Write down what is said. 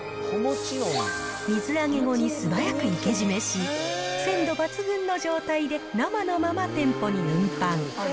水揚げ後に素早く生け〆し、鮮度抜群の状態で生のまま店舗に運搬。